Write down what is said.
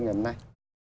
ngày hôm nay